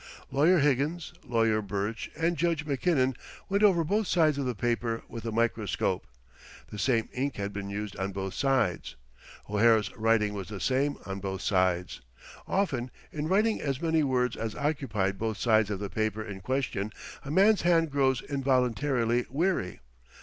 Lawyer Higgins, Lawyer Burch, and Judge Mackinnon went over both sides of the paper with a microscope. The same ink had been used on both sides. O'Hara's writing was the same on both sides. Often, in writing as many words as occupied both sides of the paper in question, a man's hand grows involuntarily weary.